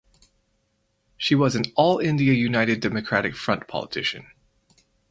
She was an All India United Democratic Front politician.